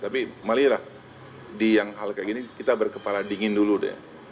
tapi malilah di yang hal kayak gini kita berkepala dingin dulu deh